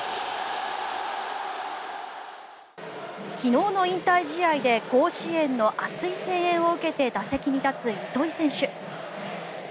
昨日の引退試合で甲子園の熱い声援を受けて打席に立つ糸井選手。